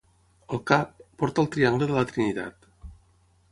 Al cap, porta el triangle de la Trinitat.